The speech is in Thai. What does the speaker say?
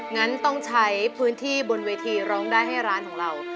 งั้นต้องใช้พื้นที่บนเวทีร้องได้ให้ร้านของเรา